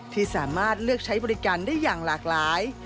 ที่สามารถเลือกใช้บริการได้อย่างหลากหลาย